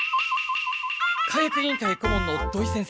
・火薬委員会顧問の土井先生